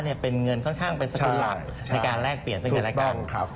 ก็จะเป็นเงินค่อนข้างเป็นสกุลหลัดในการลากเปลี่ยนในการละกลาง